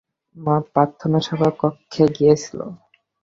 মা, প্রার্থনাসভা কক্ষে গিয়েছিল।